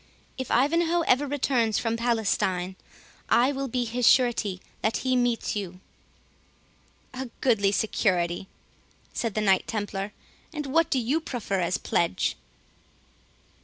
If Ivanhoe ever returns from Palestine, I will be his surety that he meets you." "A goodly security!" said the Knight Templar; "and what do you proffer as a pledge?"